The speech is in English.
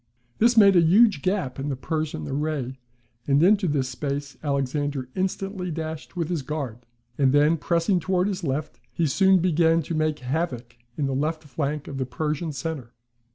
This made a huge gap in the Persian array, and into this space Alexander instantly dashed with his guard; and then pressing towards his left, he soon began to make havoc in the left flank of the Persian centre.